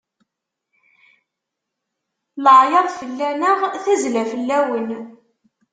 Laɛyaḍ fell-aneɣ, tazzla fell-awen.